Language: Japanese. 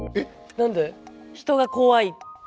何で？